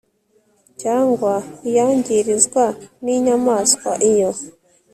cyangwa iyangirizwa n inyamaswa iyo